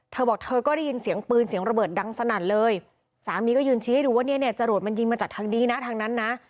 เธอบอกเธอก็ได้ยินเสียงปืนเสียงระเบิดดังสนั่นเลยสามีก็ยืนชี้ให้ดูว่าเนี่ยเนี่ยจรวดมันยิงมาจากทางนี้นะทางนั้นนะ